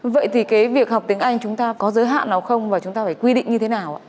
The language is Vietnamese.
vậy thì cái việc học tiếng anh chúng ta có giới hạn nào không và chúng ta phải quy định như thế nào ạ